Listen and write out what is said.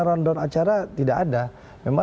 rundown acara tidak ada memang